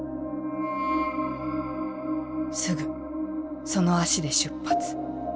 「すぐその足で出発。